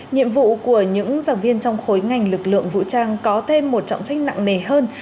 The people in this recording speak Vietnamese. nhiệm vụ của những giảng viên trong khối ngành lực lượng vũ trang có thêm một trọng trách nặng nề hơn